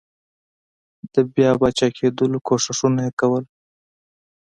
د بیا پاچاکېدلو کوښښونه یې کول.